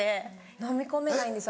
のみ込めないんです。